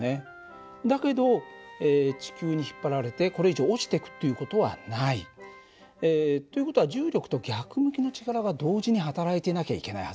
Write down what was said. だけど地球に引っ張られてこれ以上落ちていくっていう事はない。という事は重力と逆向きの力が同時にはたらいてなきゃいけないはずだよね。